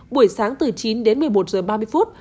buổi sáng từ chín đến một mươi một giờ ba mươi phút